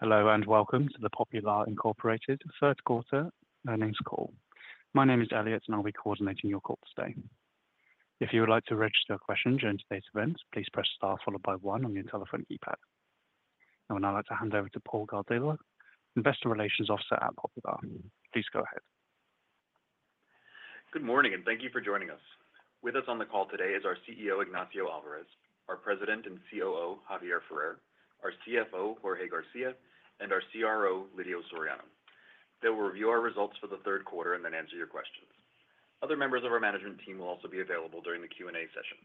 Hello, and welcome to the Popular, Inc. third quarter earnings call. My name is Elliot, and I'll be coordinating your call today. If you would like to register a question during today's event, please press star followed by one on your telephone keypad. I would now like to hand over to Paul Cardillo, Investor Relations Officer at Popular. Please go ahead. Good morning, and thank you for joining us. With us on the call today is our CEO, Ignacio Alvarez, our President and COO, Javier Ferrer, our CFO, Jorge García, and our CRO, Lidio Soriano. They will review our results for the third quarter and then answer your questions. Other members of our management team will also be available during the Q&A session.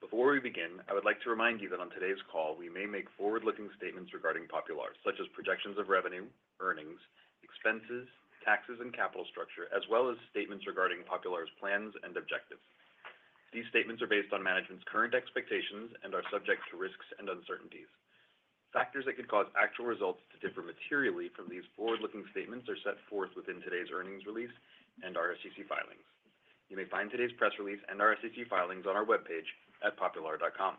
Before we begin, I would like to remind you that on today's call, we may make forward-looking statements regarding Popular, such as projections of revenue, earnings, expenses, taxes, and capital structure, as well as statements regarding Popular's plans and objectives. These statements are based on management's current expectations and are subject to risks and uncertainties. Factors that could cause actual results to differ materially from these forward-looking statements are set forth within today's earnings release and our SEC filings. You may find today's press release and our SEC filings on our webpage at popular.com.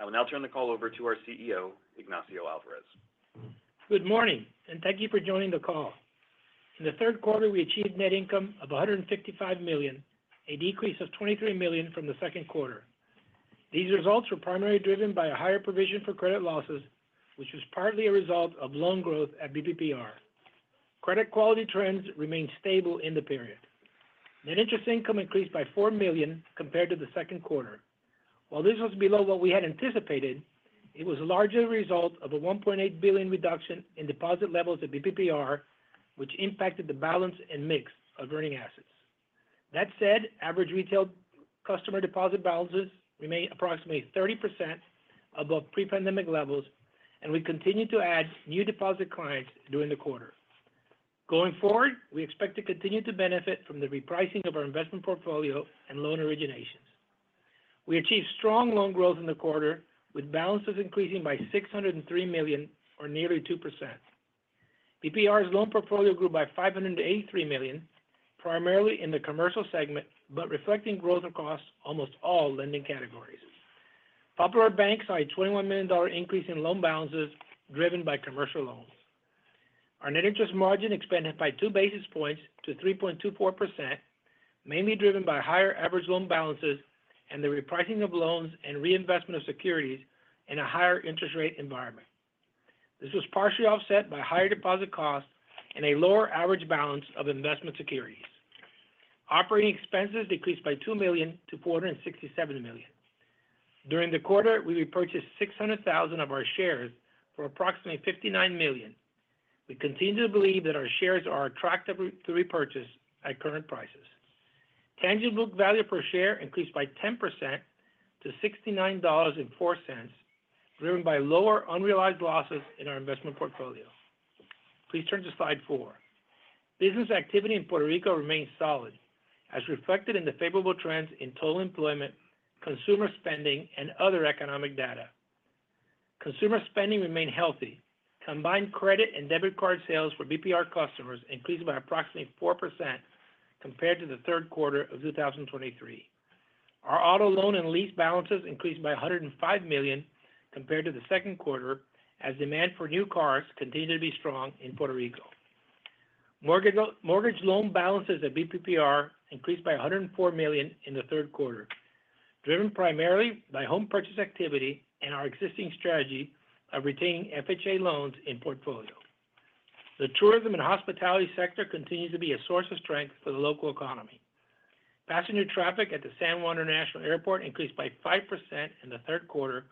I will now turn the call over to our CEO, Ignacio Alvarez. Good morning, and thank you for joining the call. In the third quarter, we achieved net income of $155 million, a decrease of $23 million from the second quarter. These results were primarily driven by a higher provision for credit losses, which was partly a result of loan growth at BPPR. Credit quality trends remained stable in the period. Net interest income increased by $4 million compared to the second quarter. While this was below what we had anticipated, it was largely a result of a $1.8 billion reduction in deposit levels at BPPR, which impacted the balance and mix of earning assets. That said, average retail customer deposit balances remain approximately 30% above pre-pandemic levels, and we continue to add new deposit clients during the quarter. Going forward, we expect to continue to benefit from the repricing of our investment portfolio and loan originations. We achieved strong loan growth in the quarter, with balances increasing by $603 million or nearly 2%. BPPR's loan portfolio grew by $583 million, primarily in the commercial segment, but reflecting growth across almost all lending categories. Popular Bank saw a $21 million increase in loan balances, driven by commercial loans. Our net interest margin expanded by 2 basis points to 3.24%, mainly driven by higher average loan balances and the repricing of loans and reinvestment of securities in a higher interest rate environment. This was partially offset by higher deposit costs and a lower average balance of investment securities. Operating expenses decreased by $2 million to $467 million. During the quarter, we repurchased 600,000 of our shares for approximately $59 million. We continue to believe that our shares are attractive to repurchase at current prices. Tangible book value per share increased by 10% to $69.04, driven by lower unrealized losses in our investment portfolio. Please turn to slide 4. Business activity in Puerto Rico remains solid, as reflected in the favorable trends in total employment, consumer spending, and other economic data. Consumer spending remained healthy. Combined credit and debit card sales for BPPR customers increased by approximately 4% compared to the third quarter of 2023. Our auto loan and lease balances increased by $105 million compared to the second quarter, as demand for new cars continued to be strong in Puerto Rico. Mortgage loan balances at BPPR increased by $104 million in the third quarter, driven primarily by home purchase activity and our existing strategy of retaining FHA loans in portfolio. The tourism and hospitality sector continues to be a source of strength for the local economy. Passenger traffic at the San Juan International Airport increased by 5% in the third quarter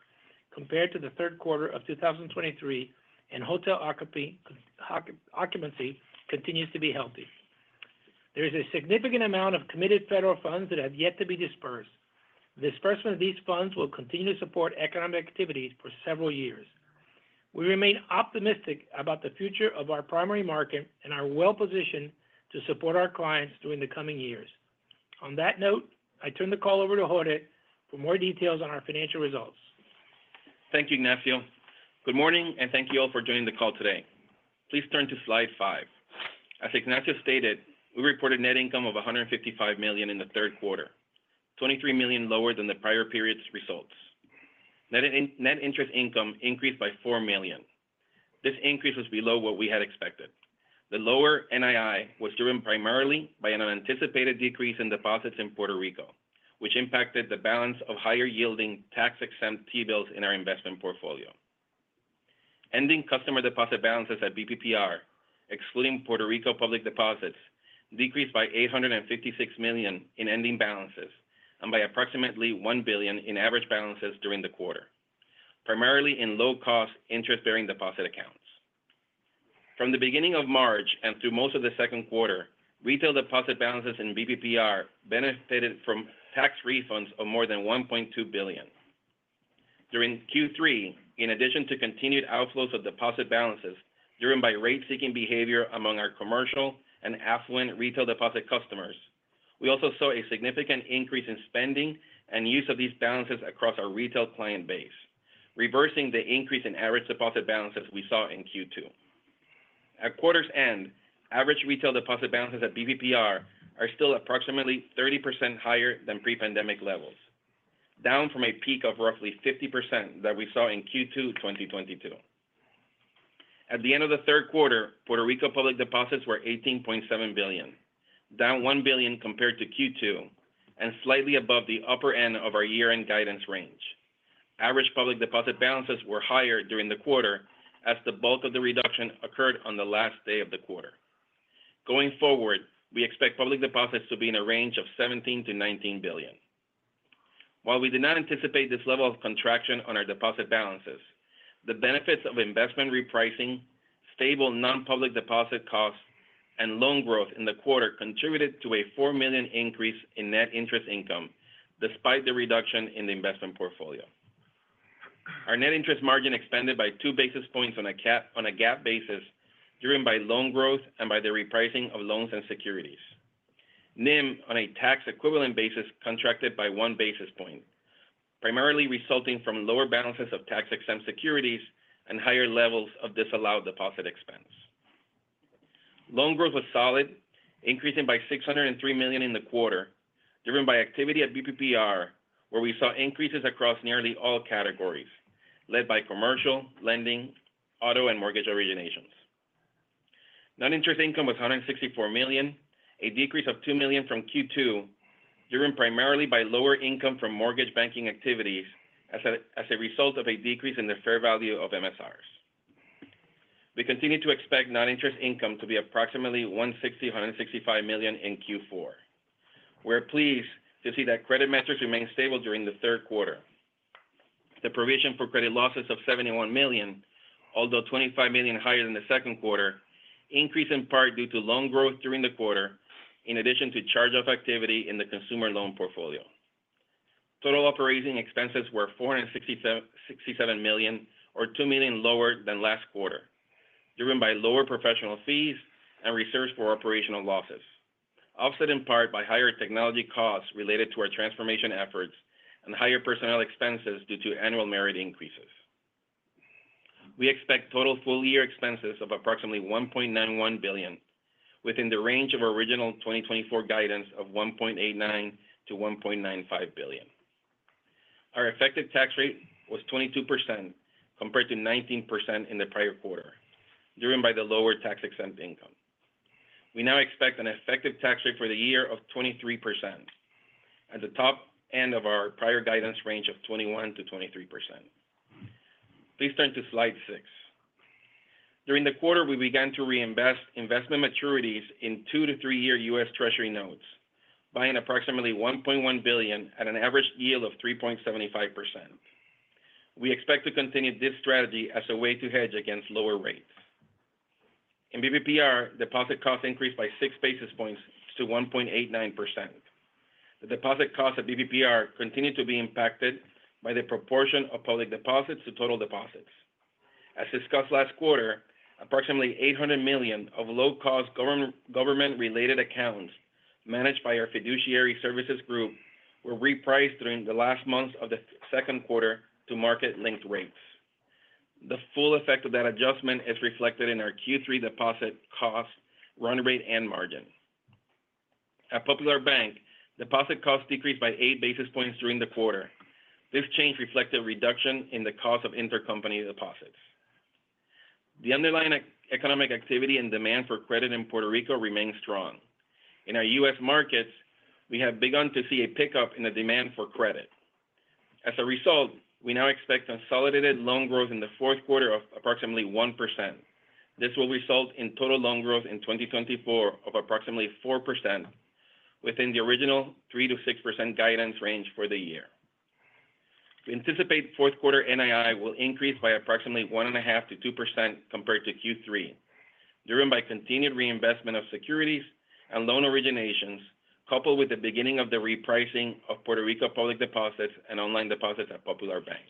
compared to the third quarter of 2023, and hotel occupancy continues to be healthy. There is a significant amount of committed federal funds that have yet to be dispersed. Disbursement of these funds will continue to support economic activities for several years. We remain optimistic about the future of our primary market and are well-positioned to support our clients during the coming years. On that note, I turn the call over to Jorge for more details on our financial results. Thank you, Ignacio. Good morning, and thank you all for joining the call today. Please turn to slide 5. As Ignacio stated, we reported net income of $155 million in the third quarter, $23 million lower than the prior period's results. Net interest income increased by $4 million. This increase was below what we had expected. The lower NII was driven primarily by an anticipated decrease in deposits in Puerto Rico, which impacted the balance of higher-yielding, tax-exempt T-bills in our investment portfolio. Ending customer deposit balances at BPPR, excluding Puerto Rico public deposits, decreased by $856 million in ending balances and by approximately $1 billion in average balances during the quarter, primarily in low-cost interest-bearing deposit accounts. From the beginning of March and through most of the second quarter, retail deposit balances in BPPR benefited from tax refunds of more than $1.2 billion. During third quarter, in addition to continued outflows of deposit balances, driven by rate-seeking behavior among our commercial and affluent retail deposit customers, we also saw a significant increase in spending and use of these balances across our retail client base, reversing the increase in average deposit balances we saw in second quarter. At quarter's end, average retail deposit balances at BPPR are still approximately 30% higher than pre-pandemic levels, down from a peak of roughly 50% that we saw in second quarter 2022. At the end of the third quarter, Puerto Rico public deposits were $18.7 billion, down $1 billion compared to Q2, and slightly above the upper end of our year-end guidance range. Average public deposit balances were higher during the quarter, as the bulk of the reduction occurred on the last day of the quarter. Going forward, we expect public deposits to be in a range of $17-$19 billion. While we did not anticipate this level of contraction on our deposit balances, the benefits of investment repricing, stable non-public deposit costs, and loan growth in the quarter contributed to a $4 million increase in net interest income, despite the reduction in the investment portfolio. Our net interest margin expanded by two basis points on a GAAP basis, driven by loan growth and by the repricing of loans and securities. NIM, on a tax equivalent basis, contracted by one basis point, primarily resulting from lower balances of tax-exempt securities and higher levels of disallowed deposit expense. Loan growth was solid, increasing by $603 million in the quarter, driven by activity at BPPR, where we saw increases across nearly all categories, led by commercial lending, auto, and mortgage originations. Non-interest income was $164 million, a decrease of $2 million from second quarter, driven primarily by lower income from mortgage banking activities as a, as a result of a decrease in the fair value of MSRs. We continue to expect non-interest income to be approximately $165 million in fourth quarter. We're pleased to see that credit metrics remained stable during the third quarter. The provision for credit losses of $71 million, although $25 million higher than the second quarter, increased in part due to loan growth during the quarter, in addition to charge-off activity in the consumer loan portfolio. Total operating expenses were $467 million or $2 million lower than last quarter, driven by lower professional fees and reserves for operational losses, offset in part by higher technology costs related to our transformation efforts and higher personnel expenses due to annual merit increases. We expect total full-year expenses of approximately $1.91 billion within the range of our original 2024 guidance of $1.89-$1.95 billion. Our effective tax rate was 22%, compared to 19% in the prior quarter, driven by the lower tax-exempt income. We now expect an effective tax rate for the year of 23% at the top end of our prior guidance range of 21%-23%. Please turn to slide six. During the quarter, we began to reinvest investment maturities in two- to three-year U.S. Treasury notes, buying approximately $1.1 billion at an average yield of 3.75%. We expect to continue this strategy as a way to hedge against lower rates. In BPPR, deposit costs increased by six basis points to 1.89%. The deposit costs at BPPR continued to be impacted by the proportion of public deposits to total deposits. As discussed last quarter, approximately $800 million of low-cost government, government-related accounts managed by our fiduciary services group were repriced during the last months of the second quarter to market-linked rates. The full effect of that adjustment is reflected in our third quarter deposit cost, run rate, and margin. At Popular Bank, deposit costs decreased by eight basis points during the quarter. This change reflects a reduction in the cost of intercompany deposits. The underlying economic activity and demand for credit in Puerto Rico remains strong. In our U.S. markets, we have begun to see a pickup in the demand for credit. As a result, we now expect consolidated loan growth in the fourth quarter of approximately 1%. This will result in total loan growth in twenty twenty-four of approximately 4% within the original 3%-6% guidance range for the year. We anticipate fourth quarter NII will increase by approximately 1.5%-2% compared to third quarter, driven by continued reinvestment of securities and loan originations, coupled with the beginning of the repricing of Puerto Rico public deposits and online deposits at Popular Bank.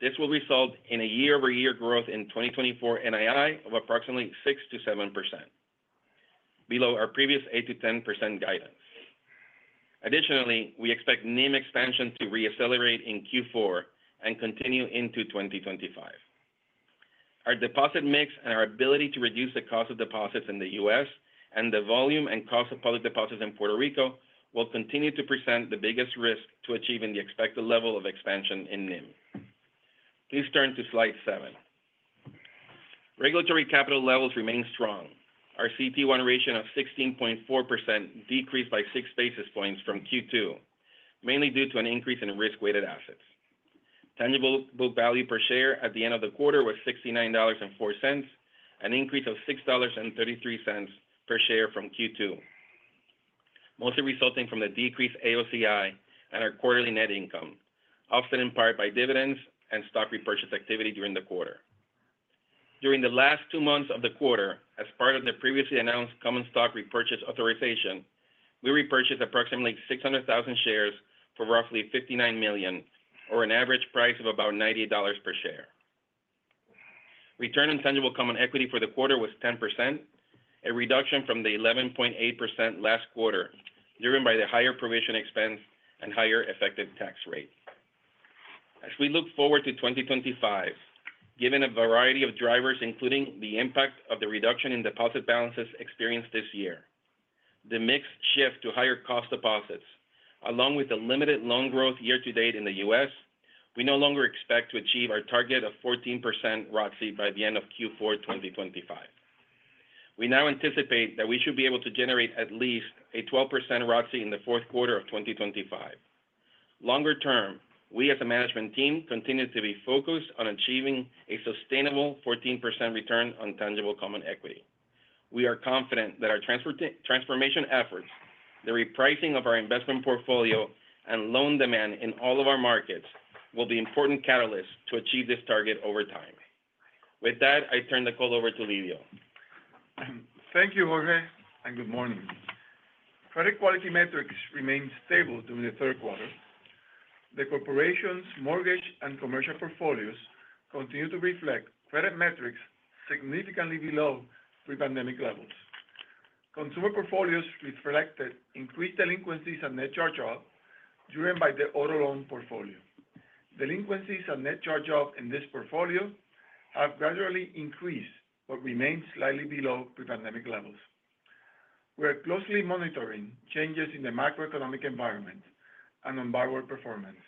This will result in a year-over-year growth in 2024 NII of approximately 6%-7%, below our previous 8%-10% guidance. Additionally, we expect NIM expansion to re-accelerate in fourth quarter and continue into 2025. Our deposit mix and our ability to reduce the cost of deposits in the U.S. and the volume and cost of public deposits in Puerto Rico will continue to present the biggest risk to achieving the expected level of expansion in NIM. Please turn to slide 7. Regulatory capital levels remain strong. Our CET1 ratio of 16.4% decreased by six basis points from second quarter, mainly due to an increase in risk-weighted assets. Tangible book value per share at the end of the quarter was $69.04, an increase of $6.33 per share from second quarter, mostly resulting from the decreased AOCI and our quarterly net income, offset in part by dividends and stock repurchase activity during the quarter. During the last two months of the quarter, as part of the previously announced common stock repurchase authorization, we repurchased approximately 600,000 shares for roughly $59 million or an average price of about $98 per share. Return on tangible common equity for the quarter was 10%, a reduction from the 11.8% last quarter, driven by the higher provision expense and higher effective tax rate. As we look forward to twenty twenty-five, given a variety of drivers, including the impact of the reduction in deposit balances experienced this year, the mix shift to higher cost deposits, along with the limited loan growth year to date in the U.S., we no longer expect to achieve our target of 14% ROTCE by the end of fourth quarter twenty twenty-five. We now anticipate that we should be able to generate at least a 12% ROTCE in the fourth quarter of twenty twenty-five. Longer term, we as a management team continue to be focused on achieving a sustainable 14% return on tangible common equity. We are confident that our transformation efforts, the repricing of our investment portfolio, and loan demand in all of our markets will be important catalysts to achieve this target over time. With that, I turn the call over to Lidio. Thank you, Jorge, and good morning. Credit quality metrics remained stable during the third quarter. The corporation's mortgage and commercial portfolios continue to reflect credit metrics significantly below pre-pandemic levels. Consumer portfolios reflected increased delinquencies and net charge-off, driven by the auto loan portfolio. Delinquencies and net charge-off in this portfolio have gradually increased, but remain slightly below pre-pandemic levels. We are closely monitoring changes in the macroeconomic environment and on borrower performance,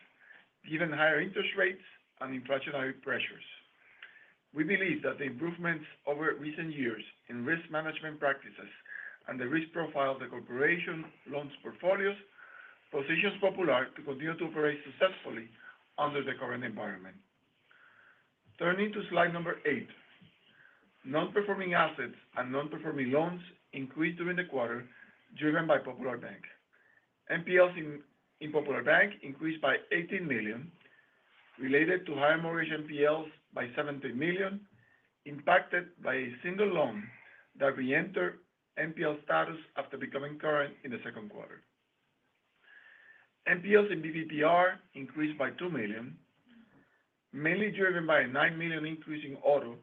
given higher interest rates and inflationary pressures. We believe that the improvements over recent years in risk management practices and the risk profile of the corporation's loan portfolios positions Popular to continue to operate successfully under the current environment. Turning to slide number eight. Non-performing assets and non-performing loans increased during the quarter, driven by Popular Bank. NPLs in Popular Bank increased by $80 million, related to higher mortgage NPLs by $70 million, impacted by a single loan that reentered NPL status after becoming current in the second quarter. NPLs in BPPR increased by $2 million, mainly driven by a $9 million increase in auto,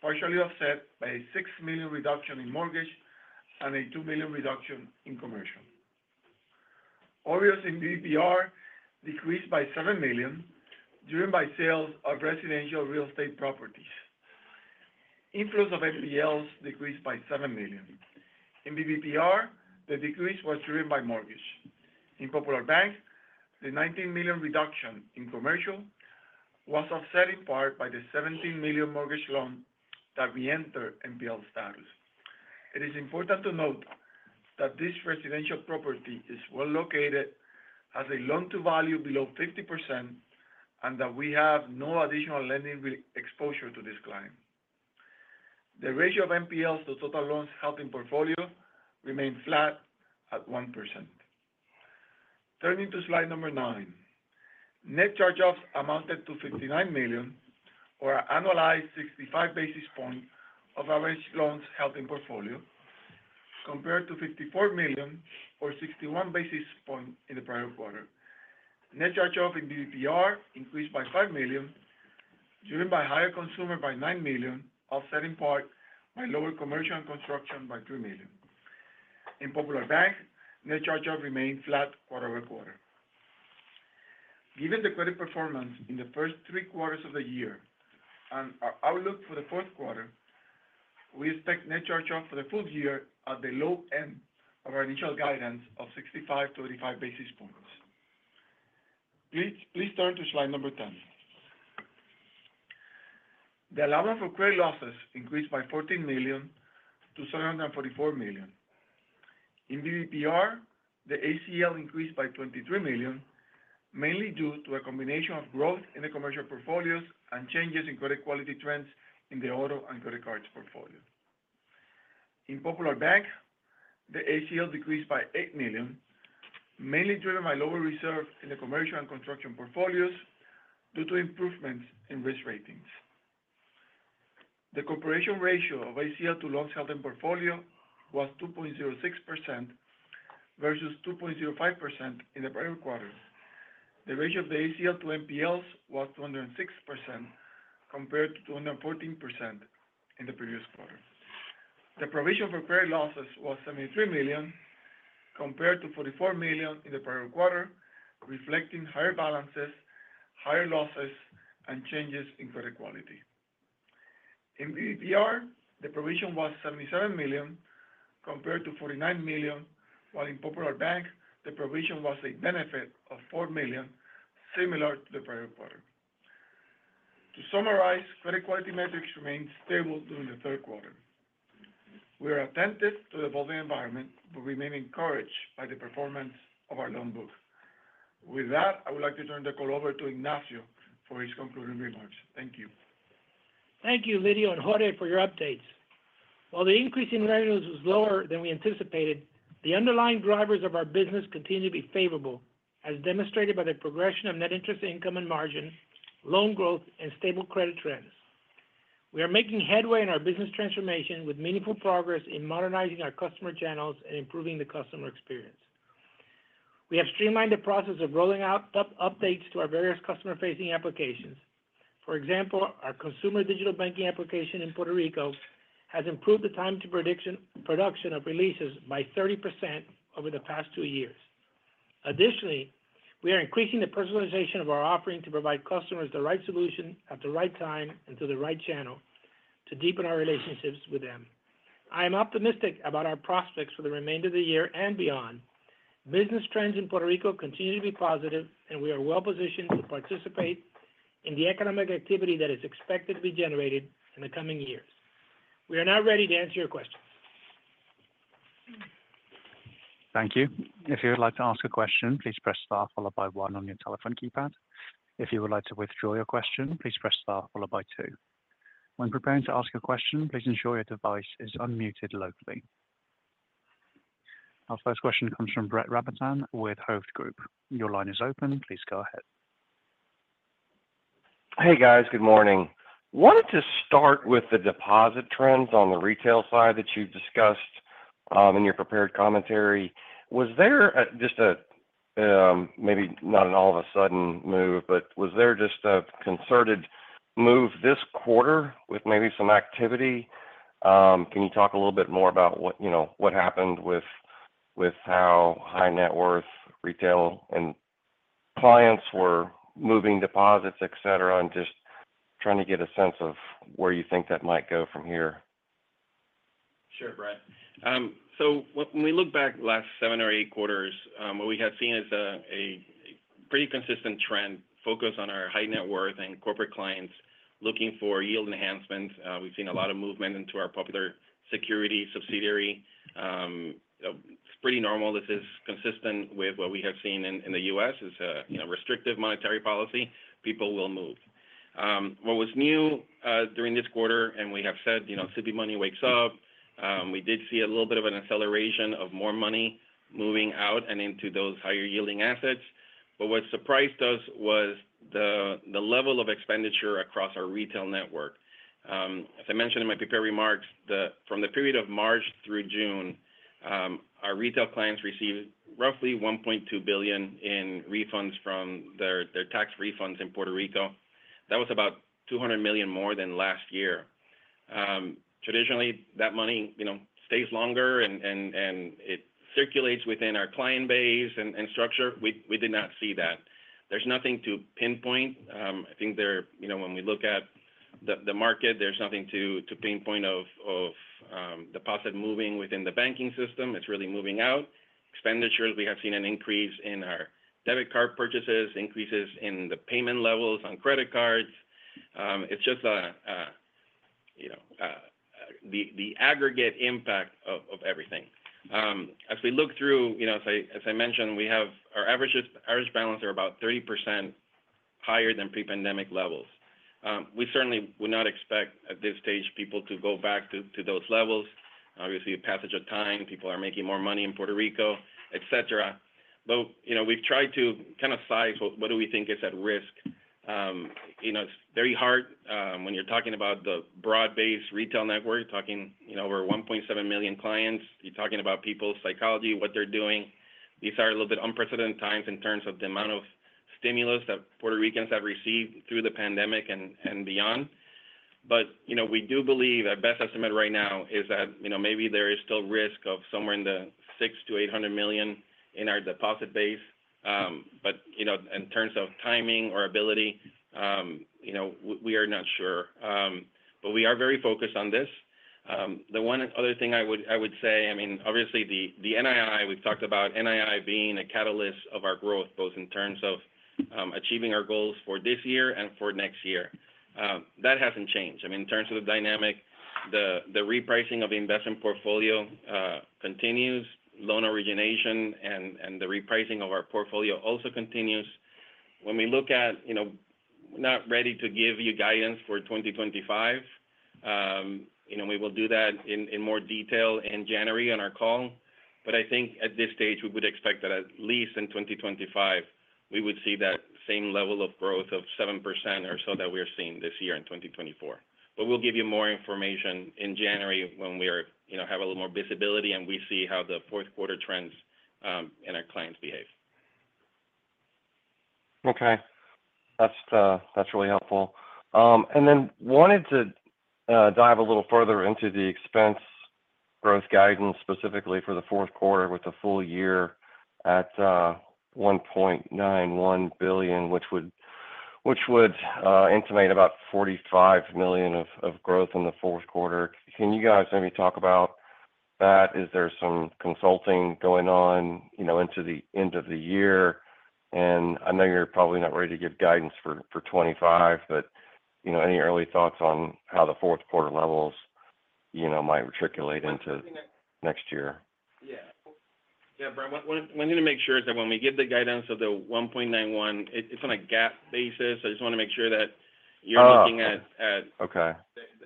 partially offset by a $6 million reduction in mortgage and a $2 million reduction in commercial. OREOs in BPPR decreased by $7 million, driven by sales of residential real estate properties. Inflow of NPLs decreased by $7 million. In BPPR, the decrease was driven by mortgage. In Popular Bank, the $19 million reduction in commercial was offset in part by the $17 million mortgage loan that reentered NPL status. It is important to note that this residential property is well located, has a loan-to-value below 50%, and that we have no additional lending re-exposure to this client. The ratio of NPLs to total loans held in portfolio remained flat at 1%. Turning to slide number 9. Net charge-offs amounted to $59 million, or an annualized 65 basis points of average loans held in portfolio, compared to $54 million or 61 basis points in the prior quarter. Net charge-off in BPPR increased by $5 million, driven by higher consumer by $9 million, offset in part by lower commercial and construction by $3 million. In Popular Bank, net charge-off remained flat quarter over quarter. Given the credit performance in the first 3 quarters of the year and our outlook for the fourth quarter, we expect net charge-off for the full year at the low end of our initial guidance of 65 to 85 basis points. Please, please turn to slide number 10. The allowance for credit losses increased by $14 million to $744 million. In BPPR, the ACL increased by $23 million, mainly due to a combination of growth in the commercial portfolios and changes in credit quality trends in the auto and credit cards portfolio. In Popular Bank, the ACL decreased by $8 million, mainly driven by lower reserves in the commercial and construction portfolios due to improvements in risk ratings. The corporation ratio of ACL to loans held in portfolio was 2.06% versus 2.05% in the prior quarter. The ratio of the ACL to NPLs was 206%, compared to 214% in the previous quarter. The provision for credit losses was $73 million, compared to $44 million in the prior quarter, reflecting higher balances, higher losses, and changes in credit quality. In BPPR, the provision was $77 million, compared to $49 million, while in Popular Bank, the provision was a benefit of $4 million, similar to the prior quarter. To summarize, credit quality metrics remained stable during the third quarter. We are attentive to the evolving environment, but remain encouraged by the performance of our loan book. With that, I would like to turn the call over to Ignacio for his concluding remarks. Thank you. Thank you, Lidio and Jorge, for your updates. While the increase in revenues was lower than we anticipated, the underlying drivers of our business continue to be favorable, as demonstrated by the progression of net interest income and margin, loan growth, and stable credit trends. We are making headway in our business transformation with meaningful progress in modernizing our customer channels and improving the customer experience. We have streamlined the process of rolling out updates to our various customer-facing applications. For example, our Consumer Digital Banking application in Puerto Rico has improved the time to production of releases by 30% over the past two years. Additionally, we are increasing the personalization of our offering to provide customers the right solution at the right time and through the right channel to deepen our relationships with them. I am optimistic about our prospects for the remainder of the year and beyond. Business trends in Puerto Rico continue to be positive, and we are well positioned to participate in the economic activity that is expected to be generated in the coming years. We are now ready to answer your questions. Thank you. If you would like to ask a question, please press star followed by one on your telephone keypad. If you would like to withdraw your question, please press star followed by two. When preparing to ask a question, please ensure your device is unmuted locally. Our first question comes from Brett Rabatin with Hovde Group. Your line is open. Please go ahead. Hey, guys. Good morning. Wanted to start with the deposit trends on the retail side that you've discussed in your prepared commentary. Was there just a maybe not an all of a sudden move, but was there just a concerted move this quarter with maybe some activity? Can you talk a little bit more about what, you know, what happened with how high net worth retail and clients were moving deposits, et cetera? I'm just trying to get a sense of where you think that might go from here. Sure, Brett. So when we look back last seven or eight quarters, what we have seen is a pretty consistent trend focus on our high net worth and corporate clients looking for yield enhancements. We've seen a lot of movement into our Popular Securities subsidiary. It's pretty normal. This is consistent with what we have seen in the U.S., you know, restrictive monetary policy, people will move. What was new during this quarter, and we have said, you know, CD money wakes up, we did see a little bit of an acceleration of more money moving out and into those higher-yielding assets. But what surprised us was the level of expenditure across our retail network. As I mentioned in my prepared remarks, from the period of March through June, our retail clients received roughly $1.2 billion in refunds from their tax refunds in Puerto Rico. That was about $200 million more than last year. Traditionally, that money, you know, stays longer and it circulates within our client base and structure. We did not see that. There's nothing to pinpoint. I think there, you know, when we look at the market, there's nothing to pinpoint of deposit moving within the banking system. It's really moving out. Expenditures, we have seen an increase in our debit card purchases, increases in the payment levels on credit cards. It's just a, you know, the aggregate impact of everything. As we look through, you know, as I mentioned, we have our average balances are about 30% higher than pre-pandemic levels. We certainly would not expect, at this stage, people to go back to those levels. Obviously, a passage of time, people are making more money in Puerto Rico, et cetera. But, you know, we've tried to kind of size what do we think is at risk. You know, it's very hard, when you're talking about the broad-based retail network, you're talking, you know, over 1.7 million clients. You're talking about people's psychology, what they're doing. These are a little bit unprecedented times in terms of the amount of stimulus that Puerto Ricans have received through the pandemic and beyond. You know, we do believe our best estimate right now is that, you know, maybe there is still risk of somewhere in the $600 million-$800 million in our deposit base. But, you know, in terms of timing or ability, you know, we are not sure. But we are very focused on this. The one other thing I would say, I mean, obviously, the NII, we've talked about NII being a catalyst of our growth, both in terms of achieving our goals for this year and for next year. That hasn't changed. I mean, in terms of the dynamic, the repricing of the investment portfolio continues, loan origination and the repricing of our portfolio also continues. When we look at, you know, not ready to give you guidance for 2025. You know, we will do that in more detail in January on our call. But I think at this stage, we would expect that at least in 2025, we would see that same level of growth of 7% or so that we are seeing this year in 2024. But we'll give you more information in January when we are, you know, have a little more visibility and we see how the fourth quarter trends and our clients behave. Okay. That's really helpful. And then wanted to dive a little further into the expense growth guidance, specifically for the fourth quarter, with the full year at $1.91 billion, which would imply about $45 million of growth in the fourth quarter. Can you guys maybe talk about that? Is there some consulting going on, you know, into the end of the year? And I know you're probably not ready to give guidance for 2025, but, you know, any early thoughts on how the fourth quarter levels, you know, might replicate into next year? Yeah, Brett, what I wanted to make sure is that when we give the guidance of the one point nine one, it's on a GAAP basis. I just wanna make sure that you're- Oh, okay... looking at, Okay.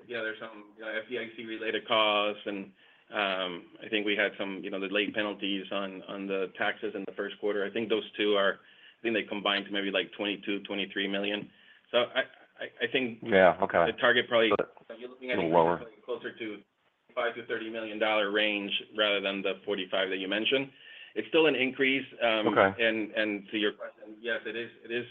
Yeah, there's some, you know, FDIC-related costs, and I think we had some, you know, the late penalties on the taxes in the first quarter. I think those two are. I think they combined to maybe, like, $22-$23 million. So I think- Yeah, okay... the target probably- A little lower. closer to $5-$30 million range rather than the $45 that you mentioned. It's still an increase. Okay. And to your question, yes, it is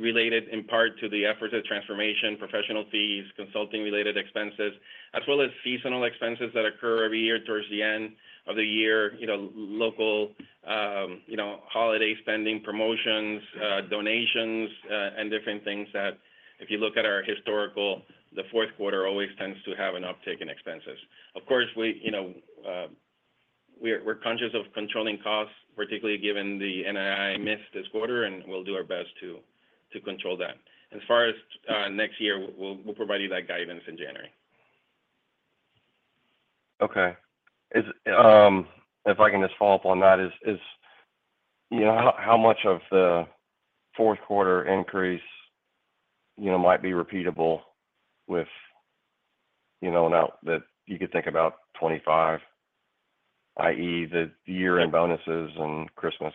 related in part to the efforts of transformation, professional fees, consulting related expenses, as well as seasonal expenses that occur every year towards the end of the year. You know, local holiday spending, promotions, donations, and different things that if you look at our historical, the fourth quarter always tends to have an uptick in expenses. Of course, we, you know, we're conscious of controlling costs, particularly given the NII missed this quarter, and we'll do our best to control that. As far as next year, we'll provide you that guidance in January. Okay. If I can just follow up on that, is, you know, how much of the fourth quarter increase, you know, might be repeatable with, you know, now that you could think about 2025, i.e., the year-end bonuses and Christmas?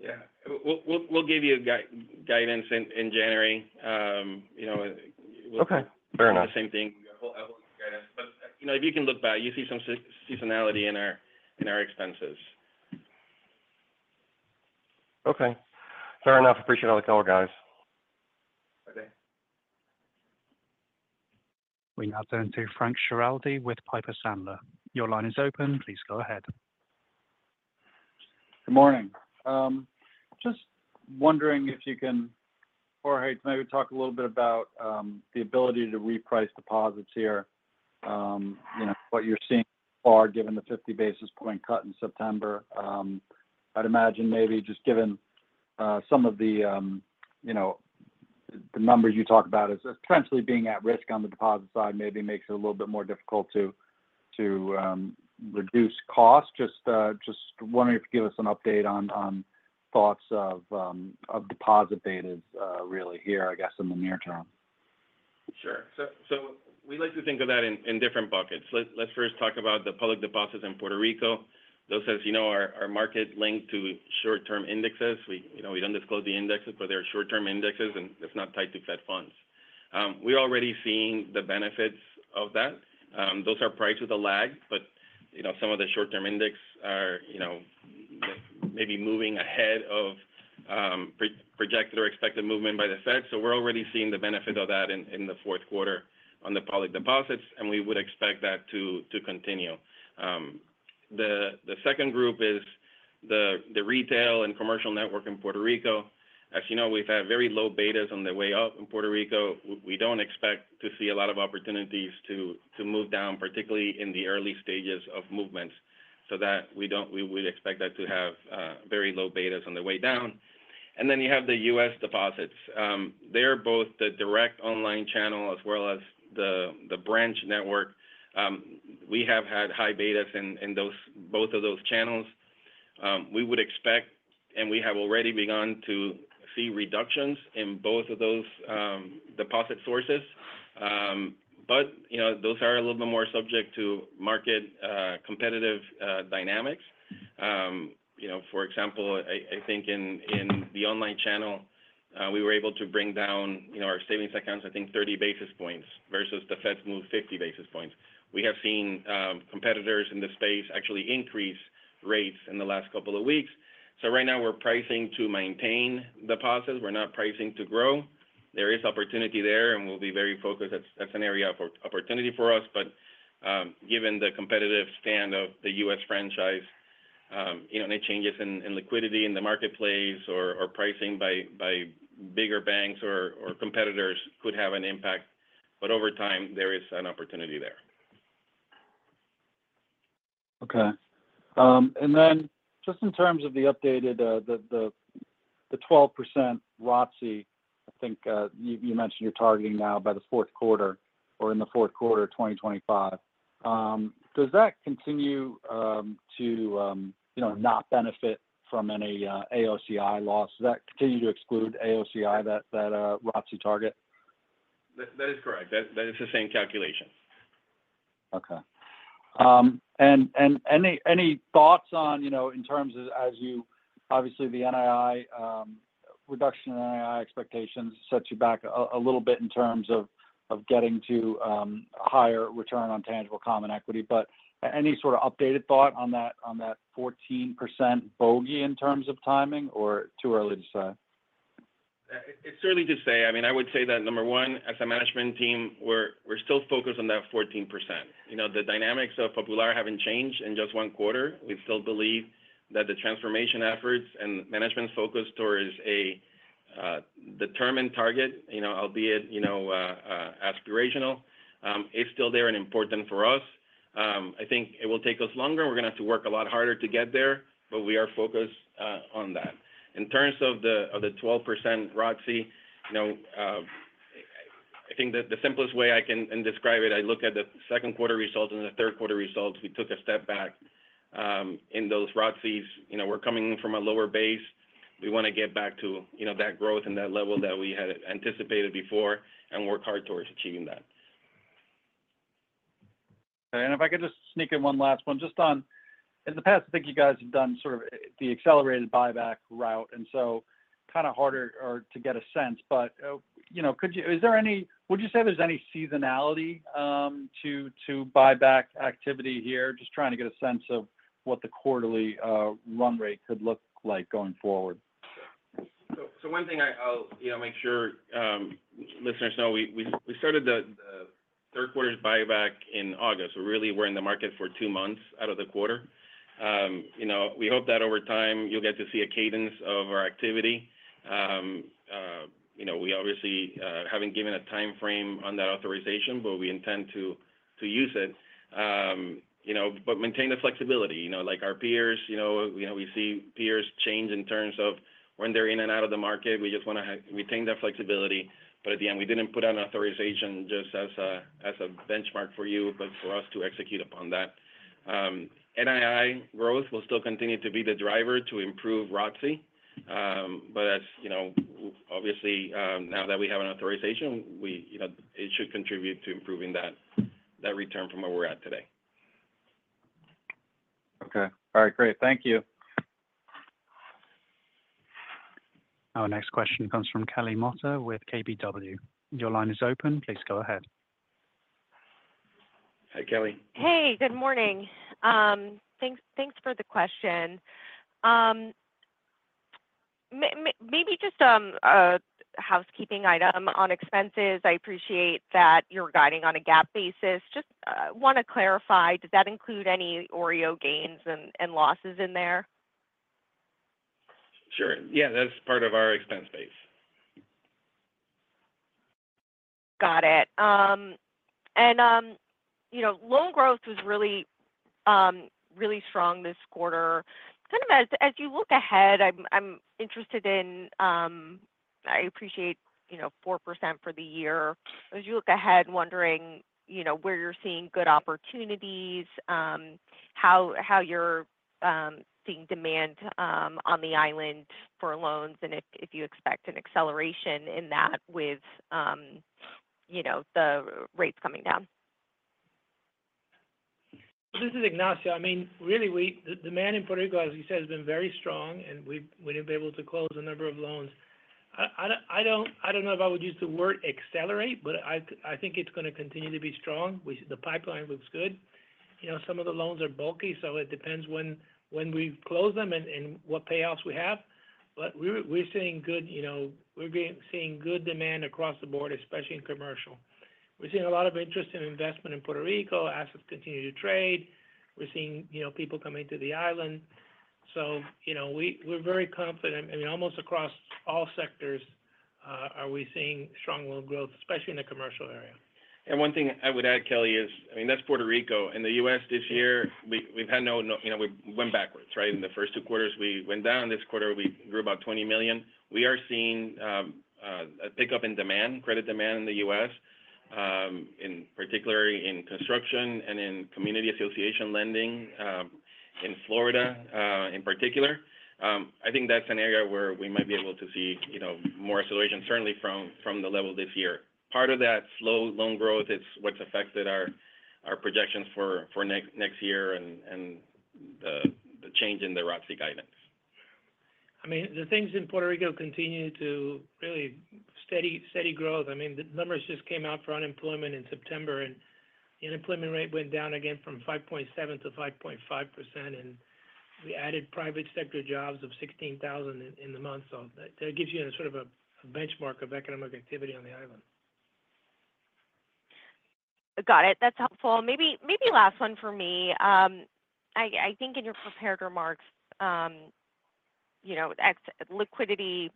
Yeah. We'll give you a guidance in January. You know- Okay, fair enough. The same thing, I hope, guidance. But, you know, if you can look back, you see some seasonality in our expenses. Okay. Fair enough. Appreciate all the color, guys. Bye-bye. We now turn to Frank Schiraldi with Piper Sandler. Your line is open. Please go ahead. Good morning. Just wondering if you can perhaps maybe talk a little bit about the ability to reprice deposits here. You know, what you're seeing so far, given the 50 basis points cut in September. I'd imagine maybe just given some of the you know, the numbers you talked about as potentially being at risk on the deposit side, maybe makes it a little bit more difficult to reduce costs. Just wondering if you could give us an update on thoughts of deposit betas, really here, I guess, in the near term. Sure. So we like to think of that in different buckets. Let's first talk about the public deposits in Puerto Rico. Those, as you know, are market linked to short-term indexes. We, you know, we don't disclose the indexes, but they're short-term indexes, and it's not tied to Fed funds. We're already seeing the benefits of that. Those are priced with a lag, but, you know, some of the short-term index are, you know, maybe moving ahead of pre-projected or expected movement by the Fed. So we're already seeing the benefit of that in the fourth quarter on the public deposits, and we would expect that to continue. The second group is the retail and commercial network in Puerto Rico. As you know, we've had very low betas on the way up in Puerto Rico. We don't expect to see a lot of opportunities to move down, particularly in the early stages of movement, so that we would expect that to have very low betas on the way down. And then you have the U.S. deposits. They are both the direct online channel as well as the branch network. We have had high betas in those, both of those channels. We would expect, and we have already begun to see reductions in both of those deposit sources, but you know, those are a little bit more subject to market competitive dynamics. You know, for example, I think in the online channel, we were able to bring down, you know, our savings accounts, I think 30 basis points versus the Fed's move, 50 basis points. We have seen, competitors in the space actually increase rates in the last couple of weeks. So right now, we're pricing to maintain deposits. We're not pricing to grow. There is opportunity there, and we'll be very focused. That's, that's an area of opportunity for us. But, given the competitive stance of the U.S. franchise, you know, any changes in liquidity in the marketplace or pricing by bigger banks or competitors could have an impact. But over time, there is an opportunity there. Okay, and then just in terms of the updated 12% ROTCE, I think you mentioned you're targeting now by the fourth quarter or in the fourth quarter of 2025. Does that continue, you know, to not benefit from any AOCI loss? Does that continue to exclude AOCI, that ROTCE target? That is correct. That is the same calculation. Okay. And any thoughts on, you know, in terms of as you obviously the NII reduction in NII expectations sets you back a little bit in terms of getting to a higher return on tangible common equity. But any sort of updated thought on that, on that 14% bogey in terms of timing or too early to say? It's certainly too soon to say. I mean, I would say that number one, as a management team, we're still focused on that 14%. You know, the dynamics of Popular haven't changed in just one quarter. We still believe that the transformation efforts and management focused towards a determined target, you know, albeit, you know, aspirational, is still there and important for us. I think it will take us longer. We're going to have to work a lot harder to get there, but we are focused on that. In terms of the 12% ROTCE, you know, I think the simplest way I can describe it, I look at the second quarter results and the third quarter results, we took a step back in those ROTCEs. You know, we're coming from a lower base. We want to get back to, you know, that growth and that level that we had anticipated before and work hard towards achieving that. And if I could just sneak in one last one, just on in the past, I think you guys have done sort of the accelerated buyback route, and so kind of harder to get a sense. But you know, would you say there's any seasonality to buyback activity here? Just trying to get a sense of what the quarterly run rate could look like going forward. So one thing I'll, you know, make sure listeners know, we started the third quarter's buyback in August. So really, we're in the market for two months out of the quarter. You know, we hope that over time you'll get to see a cadence of our activity. You know, we obviously haven't given a timeframe on that authorization, but we intend to use it. You know, but maintain the flexibility. You know, like our peers, you know, we know we see peers change in terms of when they're in and out of the market. We just want to retain that flexibility. But at the end, we didn't put out an authorization just as a benchmark for you, but for us to execute upon that. NII growth will still continue to be the driver to improve ROCE, but as you know, obviously, now that we have an authorization, we, you know, it should contribute to improving that return from where we're at today. Okay. All right. Great. Thank you. Our next question comes from Kelly Motta with KBW. Your line is open. Please go ahead. Hi, Kelly. Hey, good morning. Thanks for the question. Maybe just a housekeeping item on expenses. I appreciate that you're guiding on a GAAP basis. Just want to clarify, does that include any OREO gains and losses in there? Sure. Yeah, that's part of our expense base. Got it. And you know, loan growth was really, really strong this quarter. Kind of as you look ahead, I'm interested in. I appreciate, you know, 4% for the year. As you look ahead, wondering, you know, where you're seeing good opportunities, how you're seeing demand on the island for loans, and if you expect an acceleration in that with, you know, the rates coming down. This is Ignacio. I mean, really, the demand in Puerto Rico, as you said, has been very strong, and we've been able to close a number of loans. I don't know if I would use the word accelerate, but I think it's going to continue to be strong. The pipeline looks good. You know, some of the loans are bulky, so it depends when we close them and what payouts we have. But we're seeing good, you know, we're seeing good demand across the board, especially in commercial. We're seeing a lot of interest and investment in Puerto Rico. Assets continue to trade. We're seeing, you know, people coming to the island. So, you know, we're very confident. I mean, almost across all sectors are we seeing strong loan growth, especially in the commercial area. One thing I would add, Kelly, is, I mean, that's Puerto Rico. In the U.S .this year, we've had no, you know, we went backwards, right? In the first two quarters, we went down. This quarter, we grew about $20 million. We are seeing a pickup in demand, credit demand in the US, particularly in construction and in community association lending in Florida in particular. I think that's an area where we might be able to see, you know, more acceleration, certainly from the level this year. Part of that slow loan growth is what's affected our projections for next year and the change in the ROTCE guidance. I mean, the things in Puerto Rico continue to really steady, steady growth. I mean, the numbers just came out for unemployment in September, and the unemployment rate went down again from 5.7% to 5.5%, and we added private sector jobs of 16,000 in the month. So that gives you a sort of a benchmark of economic activity on the island. Got it. That's helpful. Maybe last one for me. I think in your prepared remarks, you know, liquidity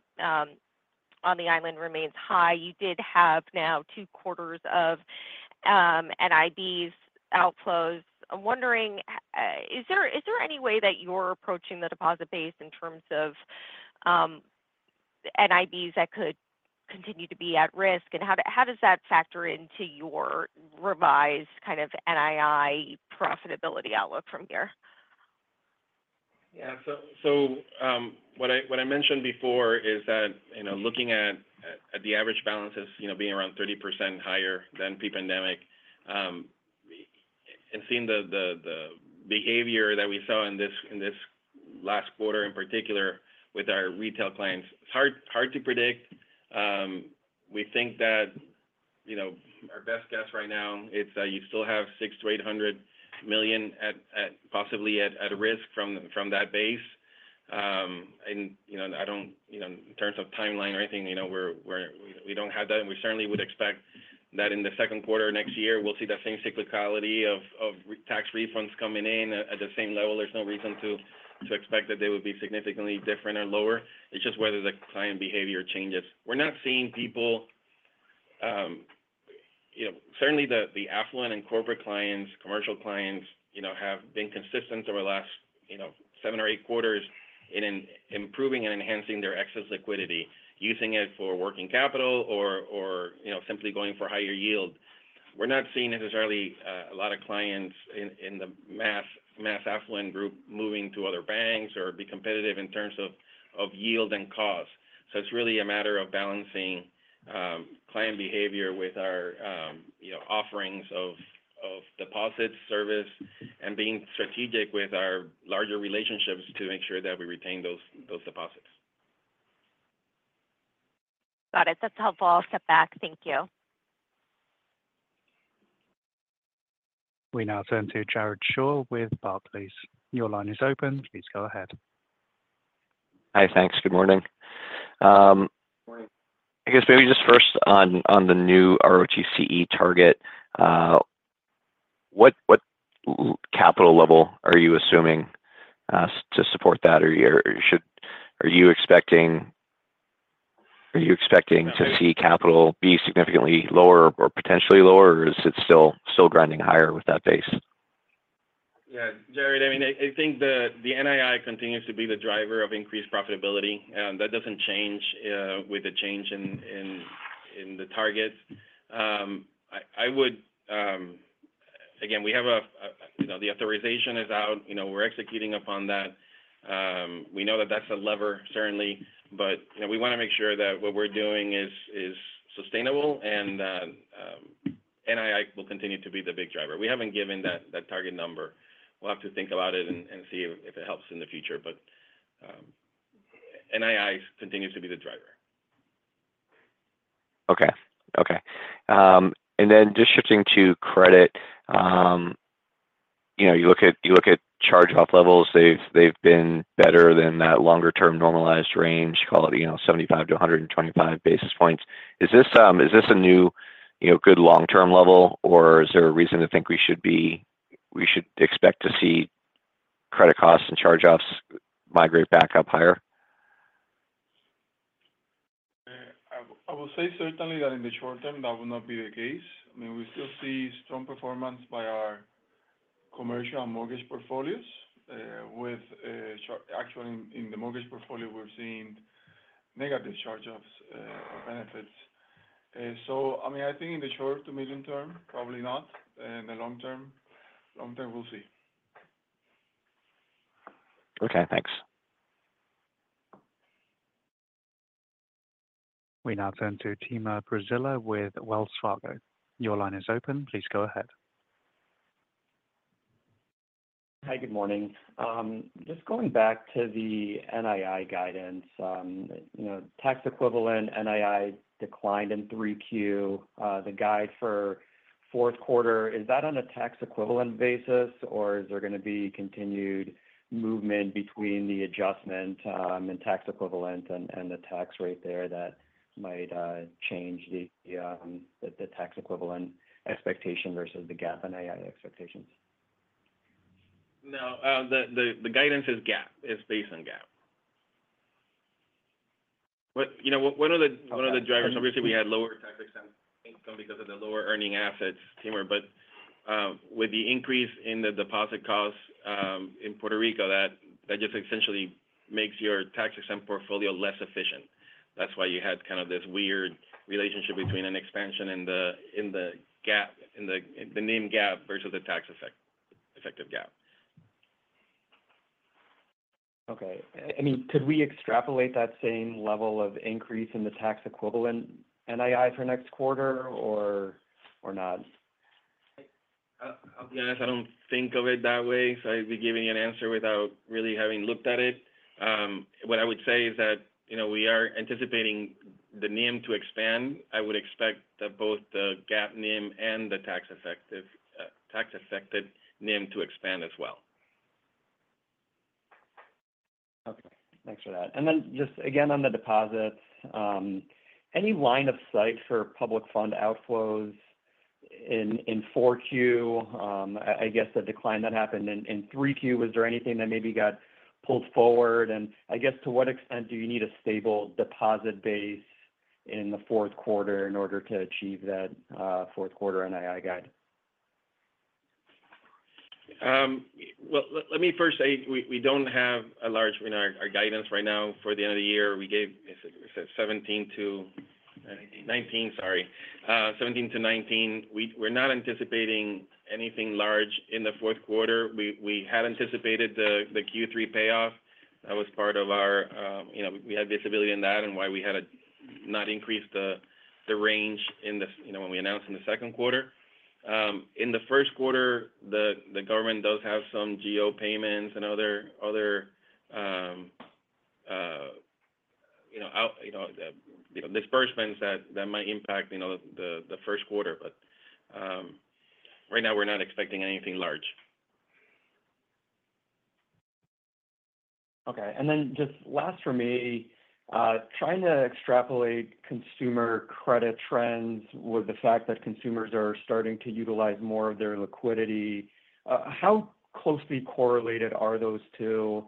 on the island remains high. You did have now two quarters of NIBs outflows. I'm wondering, is there any way that you're approaching the deposit base in terms of NIBs that could continue to be at risk? And how does that factor into your revised kind of NII profitability outlook from here? Yeah. So what I mentioned before is that, you know, looking at the average balances, you know, being around 30% higher than pre-pandemic, and seeing the behavior that we saw in this last quarter, in particular with our retail clients, it's hard to predict. We think that, you know, our best guess right now is that you still have $600-800 million at possibly at risk from that base. And, you know, I don't, you know, in terms of timeline or anything, you know, we don't have that, and we certainly would expect that in the second quarter of next year, we'll see that same cyclicality of tax refunds coming in at the same level. There's no reason to expect that they would be significantly different or lower. It's just whether the client behavior changes. We're not seeing people. You know, certainly the affluent and corporate clients, commercial clients, you know, have been consistent over the last, you know, seven or eight quarters in improving and enhancing their excess liquidity, using it for working capital or, you know, simply going for higher yield. We're not seeing necessarily a lot of clients in the mass affluent group moving to other banks or be competitive in terms of yield and cost. So it's really a matter of balancing client behavior with our, you know, offerings of deposits, service, and being strategic with our larger relationships to make sure that we retain those deposits. Got it. That's helpful. I'll step back. Thank you. We now turn to Jared Shaw with Barclays. Your line is open. Please go ahead. Hi, thanks. Good morning. Morning. I guess maybe just first on the new ROTCE target, what capital level are you assuming to support that? Or are you expecting, are you expecting to see capital be significantly lower or potentially lower, or is it still, still grinding higher with that base? Yeah, Jared, I mean, I think the NII continues to be the driver of increased profitability, that doesn't change, with the change in the targets. I would. Again, we have a, you know, the authorization is out, you know, we're executing upon that. We know that that's a lever, certainly, but, you know, we want to make sure that what we're doing is sustainable and NII will continue to be the big driver. We haven't given that target number. We'll have to think about it and see if it helps in the future. But NII continues to be the driver. Okay. And then just shifting to credit, you know, you look at charge-off levels. They've been better than that longer-term normalized range, call it, you know, 75-125 basis points. Is this a new, you know, good long-term level, or is there a reason to think we should expect to see credit costs and charge-offs migrate back up higher? I will say certainly that in the short term, that will not be the case. I mean, we still see strong performance by our commercial and mortgage portfolios. Actually, in the mortgage portfolio, we're seeing negative charge-offs or benefits. So I mean, I think in the short to medium term, probably not. In the long term, we'll see. Okay, thanks. We now turn to Timur Braziler with Wells Fargo. Your line is open. Please go ahead. Hi, good morning. Just going back to the NII guidance, you know, tax equivalent NII declined in third quarter. The guide for fourth quarter, is that on a tax equivalent basis, or is there going to be continued movement between the adjustment and tax equivalent and the tax rate there that might change the tax equivalent expectation versus the GAAP NII expectations? No. The guidance is GAAP, it's based on GAAP. But, you know, one of the- Okay. One of the drivers, obviously, we had lower tax exempt income because of the lower earning assets, Timur, but, with the increase in the deposit costs, in Puerto Rico, that just essentially makes your tax-exempt portfolio less efficient. That's why you had kind of this weird relationship between an expansion in the, in the GAAP, in the, the NIM GAAP versus the tax effect, effective GAAP. Okay. I mean, could we extrapolate that same level of increase in the tax-equivalent NII for next quarter or not? Honestly, I don't think of it that way, so I'd be giving you an answer without really having looked at it. What I would say is that, you know, we are anticipating the NIM to expand. I would expect that both the GAAP NIM and the tax effective, tax affected NIM to expand as well. Okay, thanks for that. And then just again, on the deposits, any line of sight for public fund outflows in fourth quarter? I guess the decline that happened in third quarter, was there anything that maybe got pulled forward? And I guess to what extent do you need a stable deposit base in the fourth quarter in order to achieve that fourth quarter NII guide? Well, let me first say, we don't have a large in our guidance right now for the end of the year. We gave, is it 17 to 19. Nineteen, sorry. Seventeen to 19. We're not anticipating anything large in the fourth quarter. We had anticipated the third quarter payoff. That was part of our, you know, we had visibility in that and why we had to not increase the range in the, you know, when we announced in the second quarter. In the first quarter, the government does have some GO payments and other, you know, out, you know, disbursements that might impact, you know, the first quarter. But right now we're not expecting anything large. Okay. And then just last for me, trying to extrapolate consumer credit trends with the fact that consumers are starting to utilize more of their liquidity, how closely correlated are those two?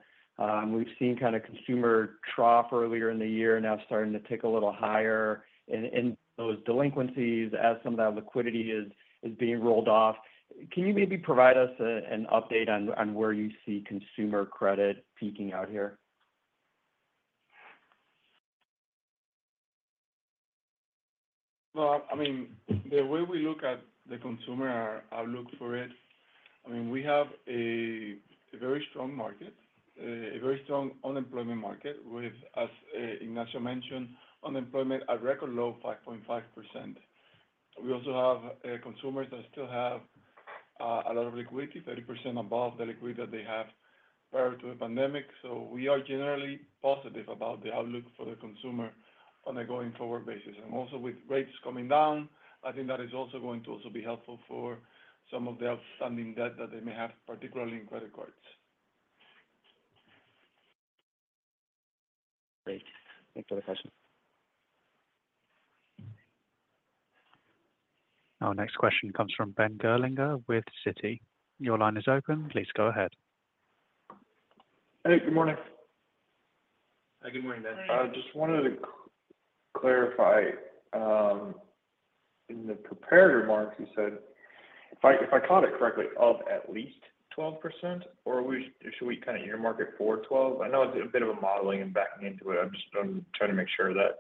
We've seen kind of consumer trough earlier in the year, now starting to tick a little higher in those delinquencies as some of that liquidity is being rolled off. Can you maybe provide us an update on where you see consumer credit peaking out here? Well, I mean, the way we look at the consumer, I mean, we have a very strong market, a very strong unemployment market with, as Ignacio mentioned, unemployment at a record low, 5.5%. We also have consumers that still have a lot of liquidity, 30% above the liquidity that they have prior to the pandemic. So we are generally positive about the outlook for the consumer on a going-forward basis. And also with rates coming down, I think that is also going to be helpful for some of the outstanding debt that they may have, particularly in credit cards. Great. Thanks for the question. Our next question comes from Ben Gerlinger with Citi. Your line is open. Please go ahead. Hey, good morning. Hi, good morning, Ben. I just wanted to clarify, in the prepared remarks, you said, if I caught it correctly, up at least 12%, or are we? Should we kind of earmark it for 12? I know it's a bit of a modeling and backing into it. I'm just trying to make sure that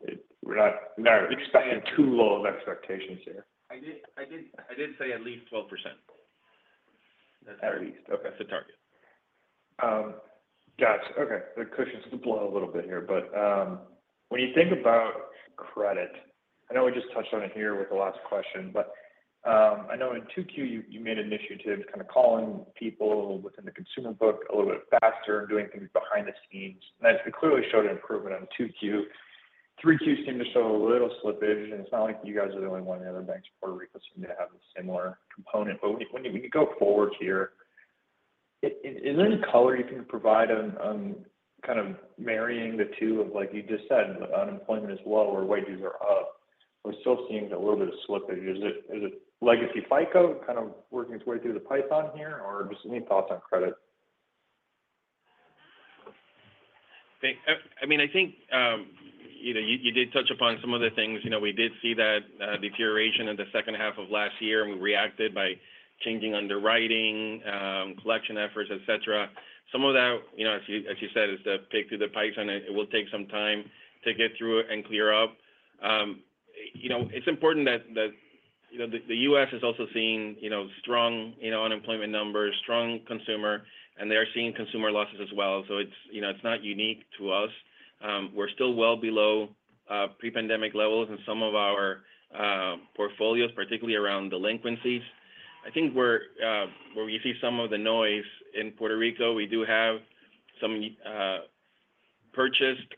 it, we're not expecting too low of expectations here. I did say at least 12%. At least. Okay. That's the target. Got you. Okay. The cushion is blown a little bit here, but when you think about credit, I know we just touched on it here with the last question, but I know in second quarter, you made an initiative kind of calling people within the consumer book a little bit faster and doing things behind the scenes. And that clearly showed an improvement on second quarter. Third quarter seemed to show a little slippage, and it's not like you guys are the only one. The other banks in Puerto Rico seem to have a similar component. but when you go forward here, is there any color you can provide on kind of marrying the two of, like you just said, unemployment is low or wages are up? We're still seeing a little bit of slippage. Is it, is it legacy FICO kind of working its way through the pipe on here, or just any thoughts on credit? I mean, I think, you know, you did touch upon some of the things. You know, we did see that deterioration in the second half of last year, and we reacted by changing underwriting, collection efforts, et cetera. Some of that, you know, as you said, is to pick through the pipes, and it will take some time to get through and clear up. You know, it's important that, you know, the U.S. is also seeing, you know, strong unemployment numbers, strong consumer, and they are seeing consumer losses as well. So it's, you know, it's not unique to us. We're still well below pre-pandemic levels in some of our portfolios, particularly around delinquencies. I think where we see some of the noise in Puerto Rico, we do have some purchased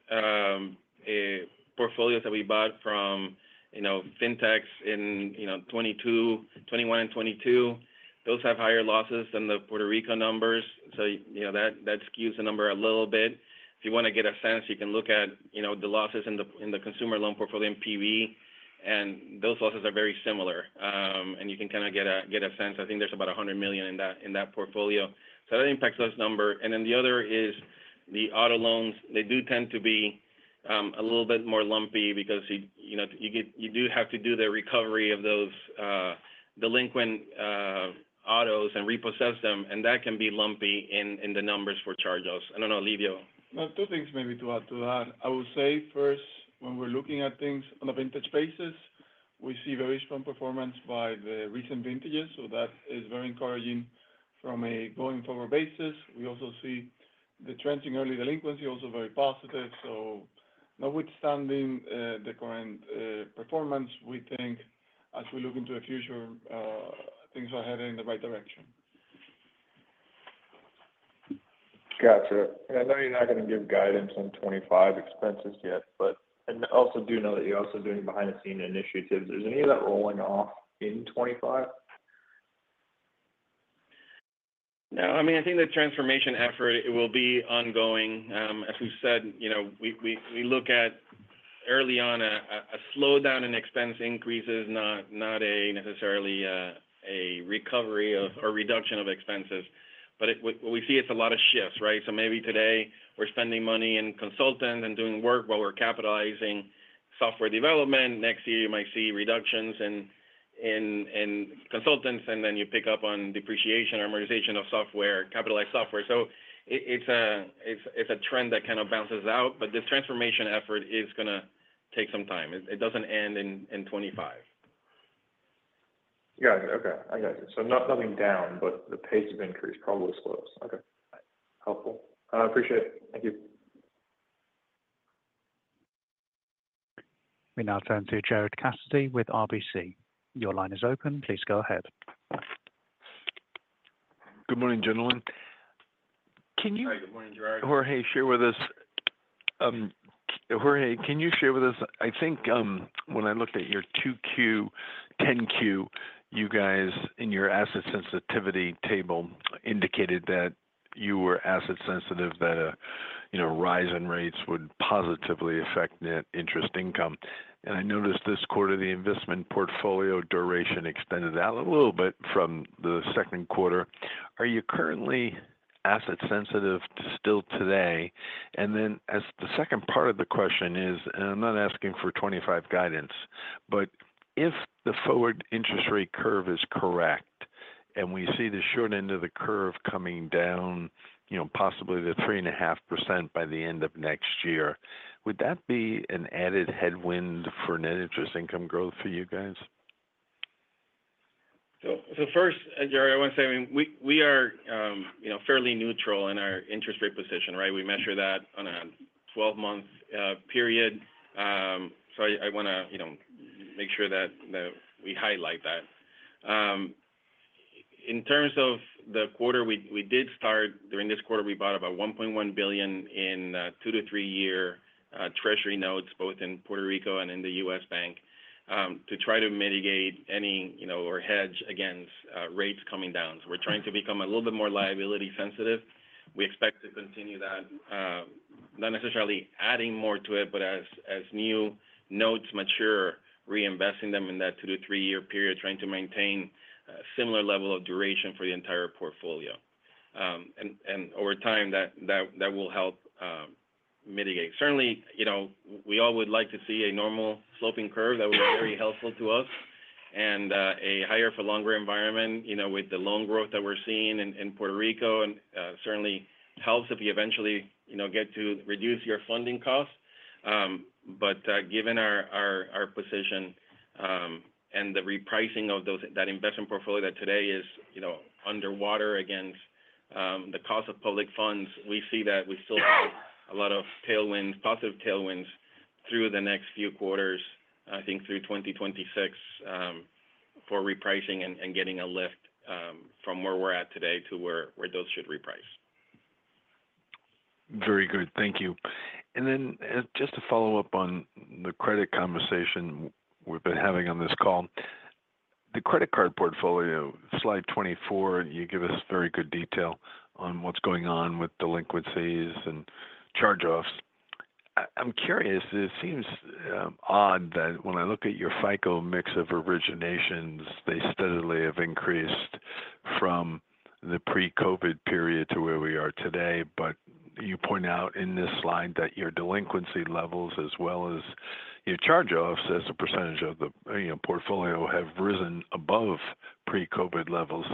portfolios that we bought from, you know, Fintechs in, you know, 2022, 2021 and 2022. Those have higher losses than the Puerto Rico numbers. So, you know, that skews the number a little bit. If you want to get a sense, you can look at, you know, the losses in the consumer loan portfolio in PB, and those losses are very similar. And you can kind of get a sense. I think there's about $100 million in that portfolio. So that impacts those numbers. And then the other is the auto loans. They do tend to be a little bit more lumpy because you know you get, you do have to do the recovery of those delinquent autos and repossess them, and that can be lumpy in the numbers for charge-offs. I don't know, Lidio. Two things maybe to add. I would say first, when we're looking at things on a vintage basis, we see very strong performance by the recent vintages, so that is very encouraging from a going-forward basis. We also see the trends in early delinquency, also very positive. So notwithstanding the current performance, we think as we look into the future, things are heading in the right direction. Got you. And I know you're not going to give guidance on 2025 expenses yet, but... And I also do know that you're also doing behind-the-scenes initiatives. Is any of that rolling off in 2025? No, I mean, I think the transformation effort, it will be ongoing. As we've said, you know, we look at early on a slowdown in expense increases, not necessarily a recovery of or reduction of expenses, but what we see it's a lot of shifts, right? So maybe today we're spending money in consultants and doing work while we're capitalizing software development. Next year, you might see reductions in consultants, and then you pick up on depreciation, amortization of software, capitalized software. So it's a trend that kind of balances out, but this transformation effort is going to take some time. It doesn't end in 2025. Got it. Okay, I got you. So not nothing down, but the pace of increase probably slows. Okay. Helpful. I appreciate it. Thank you. We now turn to Gerard Cassidy with RBC. Your line is open. Please go ahead. Good morning, gentlemen. Can you- Hi, good morning, Gerard. Jorge, can you share with us? I think when I looked at your second quarter, Form 10-Q, you guys, in your asset sensitivity table, indicated that you were asset sensitive, that a, you know, rise in rates would positively affect net interest income. And I noticed this quarter, the investment portfolio duration extended out a little bit from the second quarter. Are you currently asset sensitive still today? And then as the second part of the question is, and I'm not asking for 2025 guidance, but if the forward interest rate curve is correct and we see the short end of the curve coming down, you know, possibly to 3.5% by the end of next year, would that be an added headwind for net interest income growth for you guys? So first, Gerard, I want to say, I mean, we are, you know, fairly neutral in our interest rate position, right? We measure that on a twelve-month period. So I want to, you know, make sure that we highlight that. In terms of the quarter, we did start during this quarter. We bought about $1.1 billion in two- to three-year U.S. Treasury notes, both in Puerto Rico and in Popular Bank, to try to mitigate any, you know, or hedge against rates coming down. So we're trying to become a little bit more liability sensitive. We expect to continue that, not necessarily adding more to it, but as new notes mature, reinvesting them in that two- to three-year period, trying to maintain a similar level of duration for the entire portfolio. Over time, that will help mitigate. Certainly, you know, we all would like to see a normal sloping curve that would be very helpful to us, and a higher for longer environment, you know, with the loan growth that we're seeing in Puerto Rico, and certainly helps if you eventually, you know, get to reduce your funding costs, but given our position, and the repricing of that investment portfolio that today is, you know, underwater against the cost of public funds, we see that we still have a lot of tailwinds, positive tailwinds through the next few quarters, I think through twenty twenty-six, for repricing and getting a lift from where we're at today to where those should reprice. Very good. Thank you. And then, just to follow up on the credit conversation we've been having on this call. The credit card portfolio, slide 24, you give us very good detail on what's going on with delinquencies and charge-offs. I'm curious, it seems odd that when I look at your FICO mix of originations, they steadily have increased from the pre-COVID period to where we are today. But you point out in this slide that your delinquency levels, as well as your charge-offs, as a percentage of the, you know, portfolio, have risen above pre-COVID levels.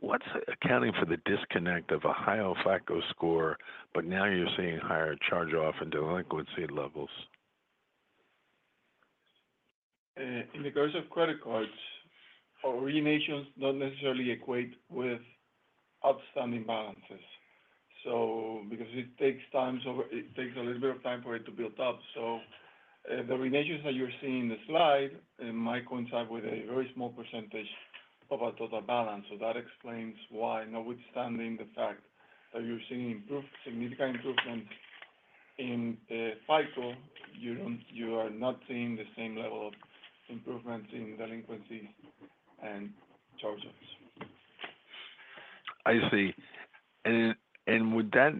What's accounting for the disconnect of a higher FICO score, but now you're seeing higher charge-off and delinquency levels? In the case of credit cards, originations don't necessarily equate with outstanding balances. So because it takes time, so it takes a little bit of time for it to build up. So, the originations that you're seeing in the slide, it might coincide with a very small percentage of our total balance. So that explains why, notwithstanding the fact that you're seeing improved, significant improvements in the FICO, you don't, you are not seeing the same level of improvements in delinquencies and charge-offs. I see. And with that,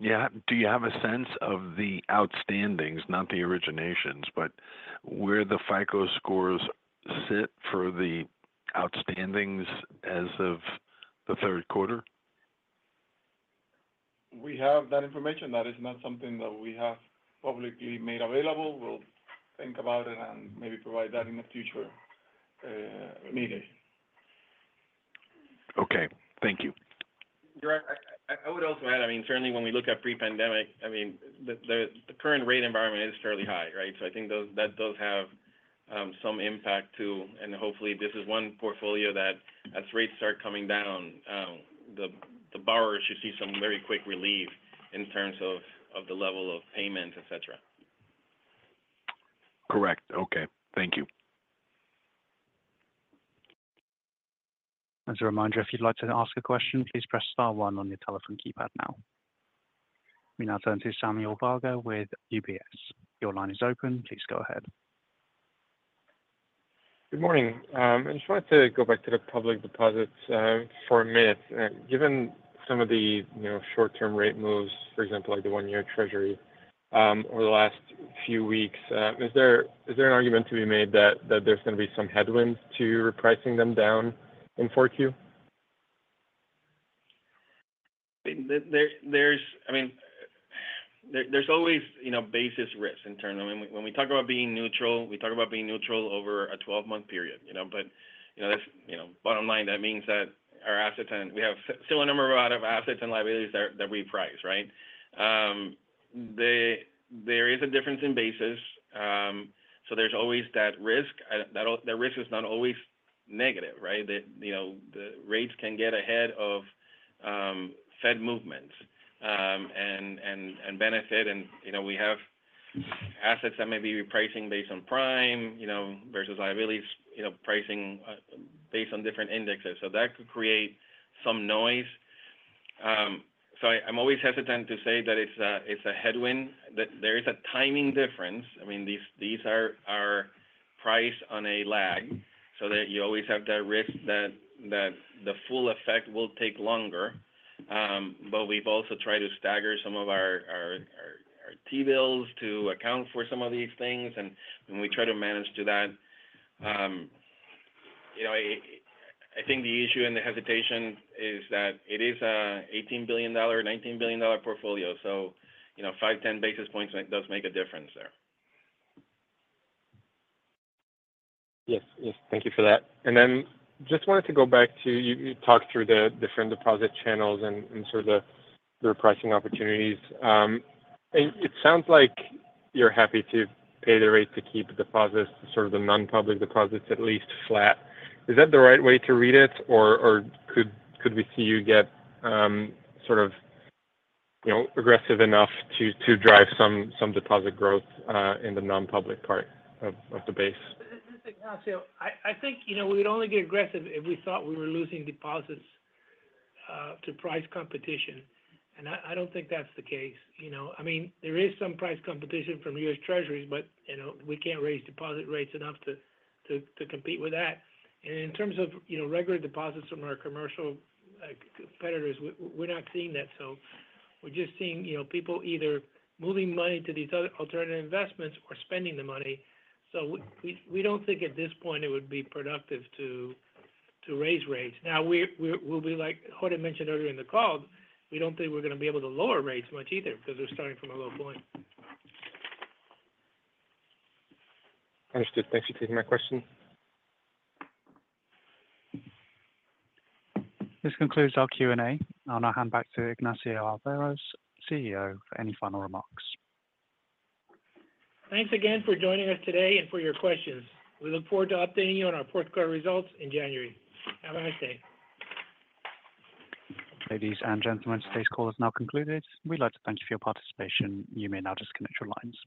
yeah, do you have a sense of the outstandings, not the originations, but where the FICO scores sit for the outstandings as of the third quarter? We have that information. That is not something that we have publicly made available. We'll think about it and maybe provide that in a future meeting. Okay, thank you. I would also add, I mean, certainly when we look at pre-pandemic, I mean, the current rate environment is fairly high, right? So I think those, that does have some impact, too. And hopefully, this is one portfolio that as rates start coming down, the borrowers should see some very quick relief in terms of the level of payments, et cetera. Correct. Okay, thank you. As a reminder, if you'd like to ask a question, please press star one on your telephone keypad now. We now turn to Samuel Varga with UBS. Your line is open. Please go ahead. Good morning. I just wanted to go back to the public deposits for a minute. Given some of the, you know, short-term rate moves, for example, like the one-year Treasury, over the last few weeks, is there an argument to be made that there's going to be some headwinds to repricing them down in fourth quarter? I mean, there's always, you know, basis risks internally. When we talk about being neutral, we talk about being neutral over a twelve-month period, you know? But, you know, that's, you know, bottom line, that means that our assets and we have similar number of assets and liabilities that reprice, right? There is a difference in basis, so there's always that risk. And that risk is not always negative, right? That, you know, the rates can get ahead of Fed movements and benefit. And, you know, we have assets that may be repricing based on Prime, you know, versus liabilities, you know, pricing based on different indexes. So that could create some noise. So I, I'm always hesitant to say that it's a headwind, that there is a timing difference. I mean, these are priced on a lag, so that you always have that risk that the full effect will take longer. But we've also tried to stagger some of our T-bills to account for some of these things, and we try to manage to that. You know, I think the issue and the hesitation is that it is an $18 billion-$19 billion portfolio, so you know, 5-10 basis points does make a difference there. Yes, thank you for that. And then just wanted to go back to you, you talked through the different deposit channels and sort of the repricing opportunities. And it sounds like you're happy to pay the rate to keep deposits, sort of the non-public deposits, at least flat. Is that the right way to read it, or could we see you get sort of, you know, aggressive enough to drive some deposit growth in the non-public part of the base? This is Ignacio. I think, you know, we'd only get aggressive if we thought we were losing deposits to price competition, and I don't think that's the case, you know. I mean, there is some price competition from U.S. Treasuries, but, you know, we can't raise deposit rates enough to compete with that. And in terms of, you know, regular deposits from our commercial competitors, we're not seeing that. So we're just seeing, you know, people either moving money to these other alternative investments or spending the money. So we don't think at this point it would be productive to raise rates. Now, we will be like what I mentioned earlier in the call, we don't think we're going to be able to lower rates much either because they're starting from a low point. Understood. Thanks for taking my question. This concludes our Q&A. I'll now hand back to Ignacio Alvarez, CEO, for any final remarks. Thanks again for joining us today and for your questions. We look forward to updating you on our fourth quarter results in January. Have a nice day. Ladies and gentlemen, today's call is now concluded. We'd like to thank you for your participation. You may now disconnect your lines.